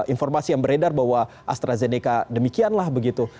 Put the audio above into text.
informasi yang beredar bahwa astrazeneca demikianlah begitu